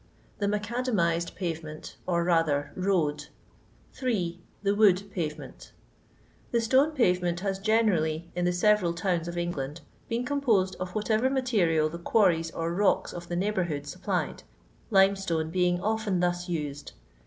The macadamized payment, or father road. 3. The wood paxeaunL The stone pavement has generally, in the several towns of England, been composed of whatever material the quarries or rocks of the neighbour hood supplied, limestone being often thus used.